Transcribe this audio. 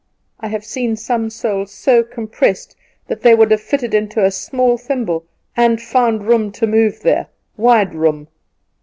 I have seen some souls so compressed that they would have fitted into a small thimble, and found room to move there wide room.